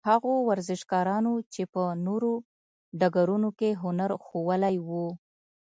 هغو ورزشکارانو چې په نورو ډګرونو کې هنر ښوولی وو.